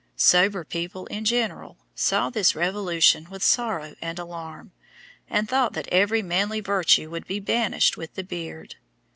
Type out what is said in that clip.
Sober people in general saw this revolution with sorrow and alarm, and thought that every manly virtue would be banished with the beard.